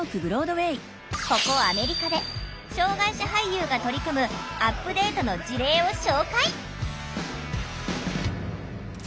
ここアメリカで障害者俳優が取り組むアップデートの事例を紹介！